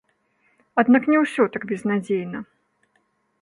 Аднак не ўсё так безнадзейна.